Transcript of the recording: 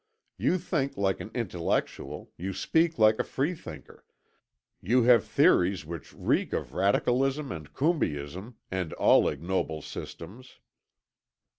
You think like an intellectual, you speak like a freethinker, you have theories which reek of radicalism and Combeism and all ignoble systems.